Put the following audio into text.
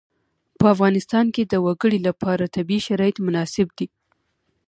په افغانستان کې د وګړي لپاره طبیعي شرایط مناسب دي.